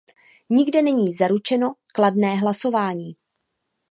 Nikde není zaručeno kladné hlasování.